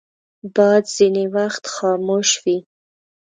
باد ځینې وخت خاموش وي